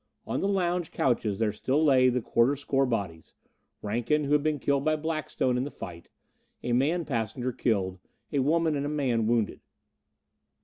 On the lounge couches there still lay the quarter score bodies. Rankin, who had been killed by Blackstone in the fight; a man passenger killed; a woman and a man wounded.